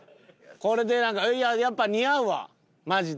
これでやっぱ似合うわマジで。